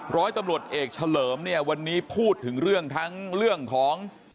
ร้อยตำรวจเอกเฉลิมเนี่ยวันนี้พูดถึงเรื่องทั้งเรื่องของ